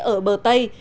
ở bờ tây